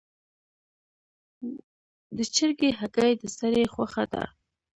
د چرګې هګۍ د سړي خوښه ده.